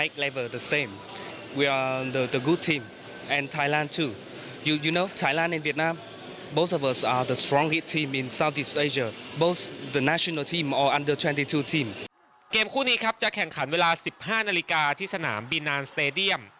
เกมคู่นี้ครับจะแข่งขันเวลา๑๕นาฬิกาที่สนามบินนานสเตดียม